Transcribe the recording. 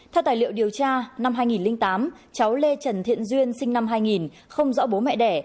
theo tài liệu điều tra năm hai nghìn tám cháu lê trần thiện duyên sinh năm hai nghìn không rõ bố mẹ đẻ